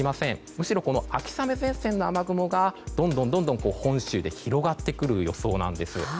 むしろ秋雨前線の雨雲がどんどん本州で広がってくる予想なんです。